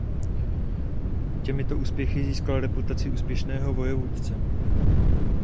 Těmito úspěchy získal reputaci úspěšného vojevůdce.